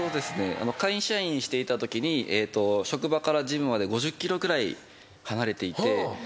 会社員していたときに職場からジムまで５０ｋｍくらい離れていて。